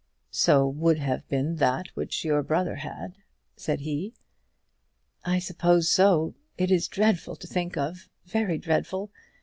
"So would have been that which your brother had," said he. "I suppose so. It is dreadful to think of; very dreadful.